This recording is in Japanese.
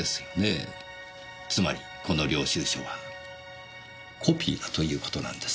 つまりこの領収書はコピーだということなんです。